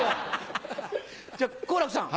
じゃあ好楽さん。